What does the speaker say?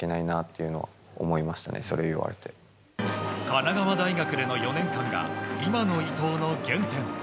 神奈川大学での４年間が今の伊東の原点。